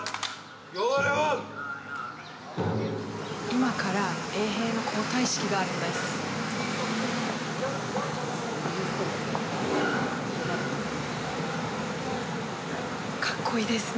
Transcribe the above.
今から衛兵の交代式があるんです。